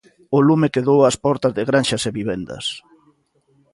O lume quedou ás portas de granxas e vivendas.